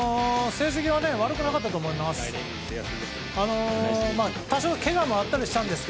成績は悪くなかったと思います。